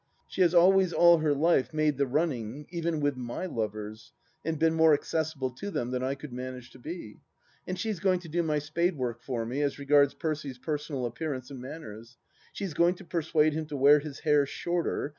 She has always all her life made the running, even with my lovers, and been more accessible to them than I could manage to be. And she is going to do my spade work for me, as regards Percy's personal appearance and manners. She is going to persuade him to wear his hair shorter.